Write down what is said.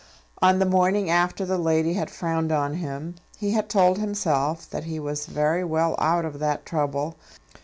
On the morning after the lady had frowned on him he had told himself that he was very well out of that trouble.